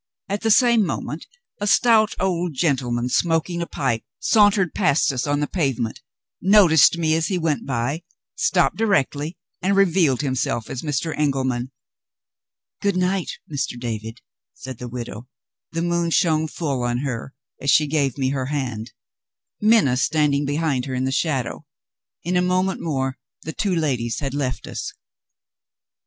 At the same moment a stout old gentleman, smoking a pipe, sauntered past us on the pavement, noticed me as he went by, stopped directly, and revealed himself as Mr. Engelman. "Good night, Mr. David," said the widow. The moon shone full on her as she gave me her hand; Minna standing behind her in the shadow. In a moment more the two ladies had left us.